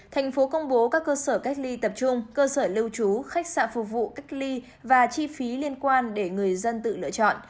thành phố công bố các cơ sở cách ly tập trung cơ sở lưu trú khách sạn phục vụ cách ly và chi phí liên quan để người dân tự lựa chọn